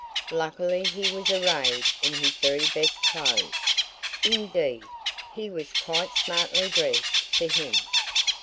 Luckily he was arrayed in his very best clothes. Indeed, he was quite smartly dressed for him.